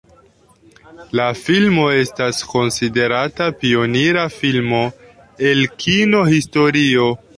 La filmo estas konsiderata pionira filmo el kino-historio.